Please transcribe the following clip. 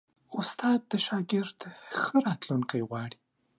استاد د شاګرد ښه راتلونکی غواړي.